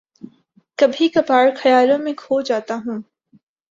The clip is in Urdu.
کبھی کبھار خیالوں میں کھو جاتا ہوں